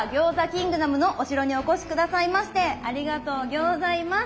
キングダムのお城にお越し下さいましてありがとうギョーザいます。